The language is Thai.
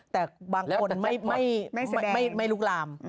แต่บางคนไม่ลุกลาม